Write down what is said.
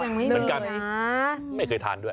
เหมือนกันไม่เคยทานด้วย